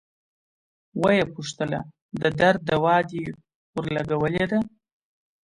ويې پوښتله د درد دوا دې ورلګولې ده.